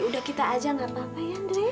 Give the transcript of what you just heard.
udah kita aja gak apa apa ya andri